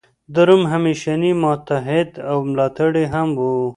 د روم همېشنی متحد او ملاتړی هم و.